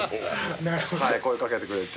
声かけてくれて。